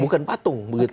bukan patung begitu